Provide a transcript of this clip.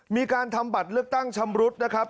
มีการทำบัตรเลือกตั้งชำรุดนะครับ